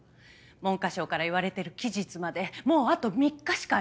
文科省から言われている期日までもうあと３日しかありません。